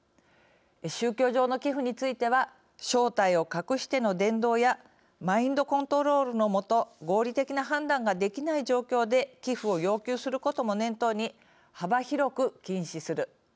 宗教上の寄付については正体を隠しての伝道やマインドコントロールのもと合理的な判断ができない状況で寄付を要求することも念頭に幅広く禁止する。